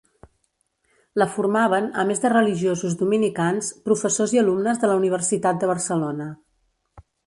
La formaven, a més de religiosos dominicans, professors i alumnes de la Universitat de Barcelona.